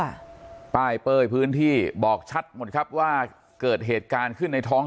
ค่ะป้ายเป้ยพื้นที่บอกชัดหมดครับว่าเกิดเหตุการณ์ขึ้นในท้อง